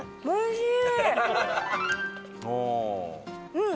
うん！